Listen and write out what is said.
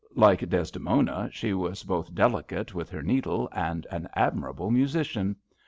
Like Desdemona, she was both delicate with her needle and an admirable musician.